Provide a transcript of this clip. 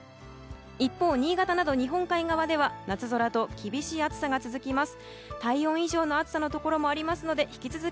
一方、新潟など日本海側では夏空と厳しい暑さが続きます。